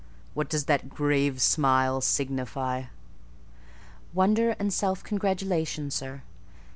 What does that grave smile signify?" "Wonder and self congratulation, sir.